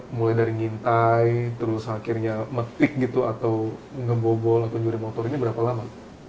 mulai dari ngintai terus akhirnya metik gitu atau ngebobol atau nyuri motor ini berapa lama